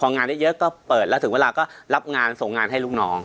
และที่เรียบถึงก็รับทีและส่งงานให้ลูกน้อง